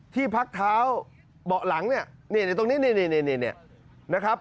ที่พักเท้าเบาะหลังเนี่ยตรงนี้นี่นะครับ